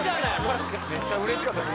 めっちゃ嬉しかったです